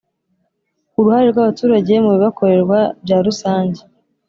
Uruhare rw abaturage mu bibakorerwa byarusanjye